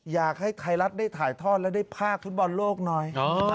อยากให้ไทยรัฐได้ถ่ายทอดและได้ภาคฟุตบอลโลกหน่อย